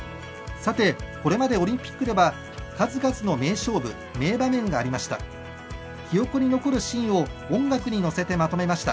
さて、これまでオリンピックでは数々の名勝負、名場面がありました。